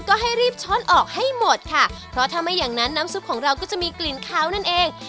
ก็ให้รีบช้อนออกให้หมดค่ะเพราะถ้าไม่อย่างนั้นน้ำซุปของเราก็จะมีกลิ่นขาวนั่นเอง